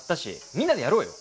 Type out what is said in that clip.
みんなでやろうよ！